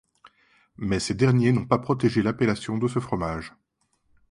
Mais ces derniers n'ont pas protégé l'appellation de ce fromage.